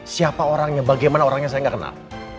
siapa orangnya bagaimana orangnya saya nggak kenal